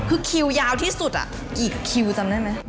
คือคิวยาวที่สุดกี่คิวจำได้ไหม